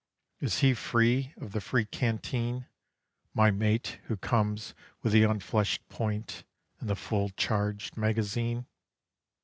Is he free of the free Canteen, My mate who comes with the unfleshed point and the full charged magazine?"